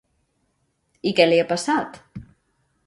I què li ha passat?